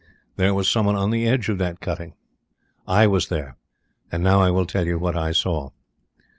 There WAS someone on the edge of that cutting. I was there. And now I will tell you what I saw.